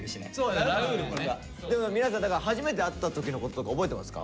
皆さんだから初めて会った時のこととか覚えてますか？